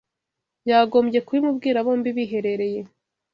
yagombye kubimubwira bombi biherereye